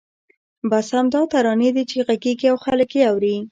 بس همدا ترانې دي چې غږېږي او خلک یې اوري.